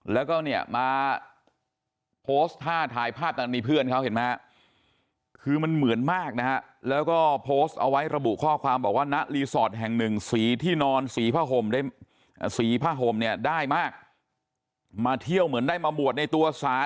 แล้วก็เนี่ยมาโพสต์ท่าถ่ายภาพด้วยเพื่อนเขา